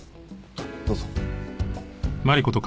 どうぞ。